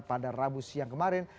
pada rabu siang kemarin